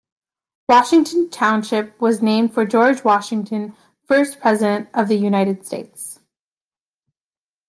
Washington Township was named for George Washington, first president of the United States.